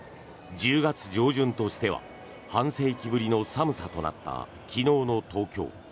１０月上旬としては半世紀ぶりの寒さとなった昨日の東京。